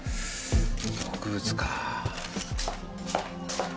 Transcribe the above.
毒物か。